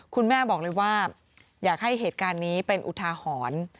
คุณแม่บอกเลยว่าอยากให้เหตุการณ์นี้เป็นอุทาหรณ์